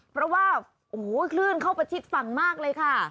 เพราะว่าโอ้โหคลื่นเข้าประชิดฝั่งมากเลยค่ะ